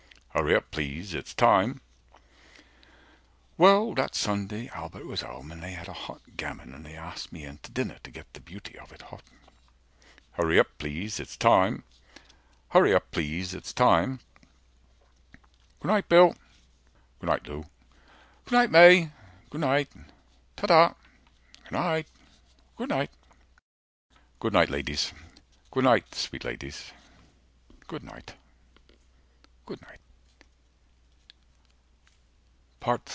HURRY UP PLEASE ITS TIME 165 Well, that Sunday Albert was home, they had a hot gammon, And they asked me in to dinner, to get the beauty of it hot— HURRY UP PLEASE ITS TIME HURRY UP PLEASE ITS TIME Goonight Bill. Goonight Lou. Goonight May. Goonight. 170 Ta ta. Goonight. Goonight. Good night, ladies, good night, sweet ladies, good night, good night.